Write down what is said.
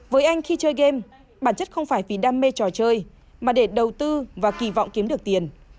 với anh khi chơi game bản chất không phải vì đam mê trò chơi mà để đầu tư và kỳ vọng kiếm được tiền